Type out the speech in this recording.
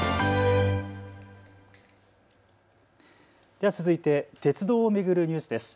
では続いて鉄道を巡るニュースです。